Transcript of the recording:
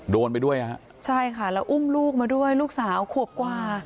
โดนไปด้วยฮะใช่ค่ะแล้วอุ้มลูกมาด้วยลูกสาวขวบกว่า